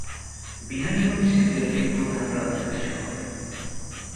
বিহারি হচ্ছে জেলাটির প্রধান রাজধানী শহর।